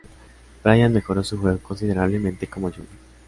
Bryant mejoró su juego considerablemente como junior.